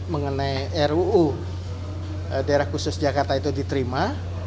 mengenai ruu daerah khusus jakarta itu diterima